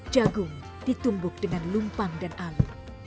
jagung ditumbuk dengan lumpang dan alu